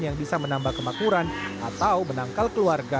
yang bisa menambah kemakuran atau menangkal keluarga